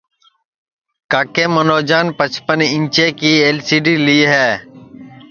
کاکے منوجان پچپن اینچیں کی ال سی ڈی لی ہے